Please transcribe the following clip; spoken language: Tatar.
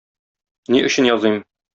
Ни өчен языйм?